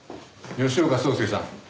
吉岡壮介さん。